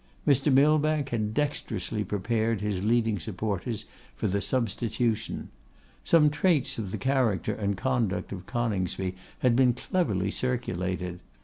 Mr. Millbank had dexterously prepared his leading supporters for the substitution. Some traits of the character and conduct of Coningsby had been cleverly circulated.